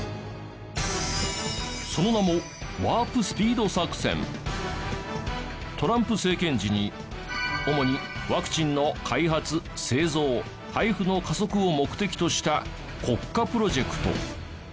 その名もトランプ政権時に主にワクチンの開発製造配布の加速を目的とした国家プロジェクト。